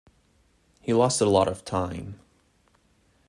He lost a lot of time.